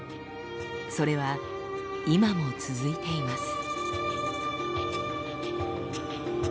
それは今も続いています。